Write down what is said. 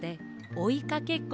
おいかけっこ？